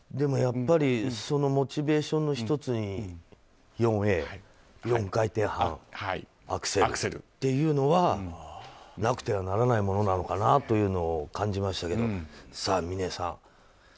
そのモチベーションの１つに４回転半アクセルっていうのはなくてはならないものなのかなというのを感じましたけど。